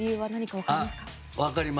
分かります。